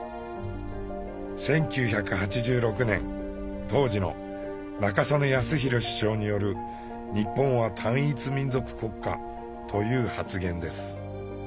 １９８６年当時の中曽根康弘首相による「日本は単一民族国家」という発言です。